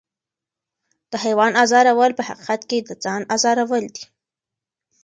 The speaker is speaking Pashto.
د حیوان ازارول په حقیقت کې د ځان ازارول دي.